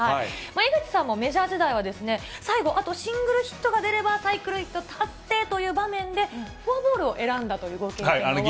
井口さんもメジャー時代は最後、あとシングルヒットが出ればサイクルヒット達成という場面で、フォアボールを選んだというご経験がおありですね。